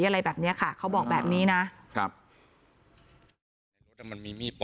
อะไรแบบนี้ค่ะเค้าบอกแบบนี้นะ